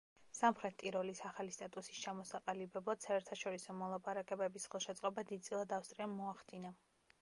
სამხრეთ ტიროლის ახალი სტატუსის ჩამოსაყალიბებლად საერთაშორისო მოლაპარაკებების ხელშეწყობა დიდწილად ავსტრიამ მოახდინა.